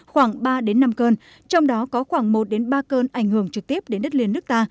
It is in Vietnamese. khoảng ba năm cơn trong đó có khoảng một đến ba cơn ảnh hưởng trực tiếp đến đất liền nước ta